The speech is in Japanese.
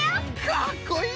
かっこいい！